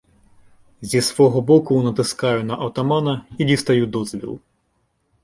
Зі свого боку натискаю на отамана і дістаю дозвіл.